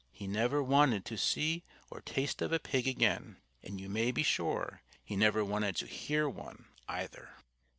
He never wanted to see or taste of a pig again. And you may be sure he never wanted to hear one, either.